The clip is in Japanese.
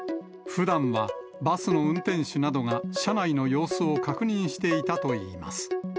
ふだんはバスの運転手などが、車内の様子を確認していたといいます。